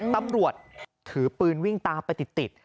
ตำรวจถือปืนวิ่งตามไปติด